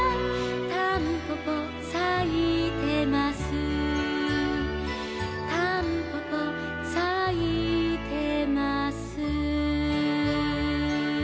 「たんぽぽさいてます」「たんぽぽさいてます」